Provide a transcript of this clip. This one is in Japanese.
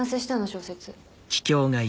小説。